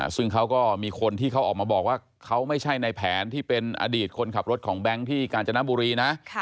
ซึ่งเขาก็มีคนที่เขาออกมาบอกว่าเขาไม่ใช่ในแผนที่เป็นอดีตคนขับรถของแบงค์ที่กาญจนบุรีนะ